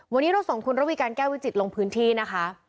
วันนี้เราส่งคุณระวีการแก้ววิจิตรลงพื้นที่นะคะ